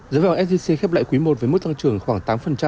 giá vàng sgc khép lại quý i với mức tăng trưởng khoảng tám